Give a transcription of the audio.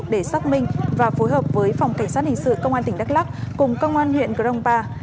để xác minh và phối hợp với phòng cảnh sát hình sự công an tỉnh đắk lắc cùng công an huyện crongpa